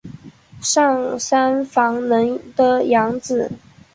上杉房能的养子。